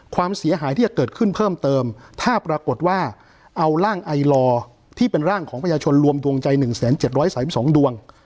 ความเสียหายที่จะเกิดขึ้นเพิ่มเติมถ้าปรากฏว่าเอาร่างไอลอที่เป็นร่างของประชาชนรวมดวงใจ๑๗๓๒ดวง